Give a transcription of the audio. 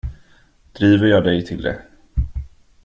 Driver jag dig till det?